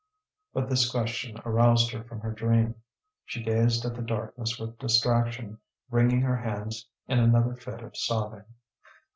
But this question aroused her from her dream. She gazed at the darkness with distraction, wringing her hands in another fit of sobbing.